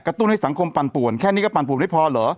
ตุ้นให้สังคมปั่นป่วนแค่นี้ก็ปั่นป่วนได้พอเหรอ